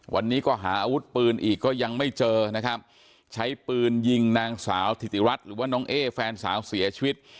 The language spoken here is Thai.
วันนี้ก็หาอาวุธปืนอีกก็ยังไม่เจอนะครับใช้ปืนยิงนางสาวธิติรัฐหรือว่าน้องเอ๊แฟนสาวเสียชีวิต